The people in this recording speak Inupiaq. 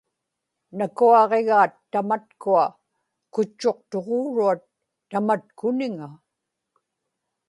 nakuaġigaat tamatkua kutchuqtuġuuruat tamatkuniŋa